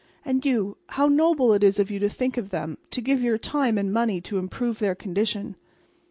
And you—how noble it is of you to think of them, to give your time and money to improve their condition!"